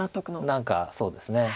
何かそうですね。